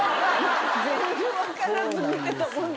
全然分からず見てたもんだから。